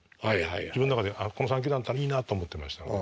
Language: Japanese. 自分の中でこの３球団だったらいいなと思ってましたね。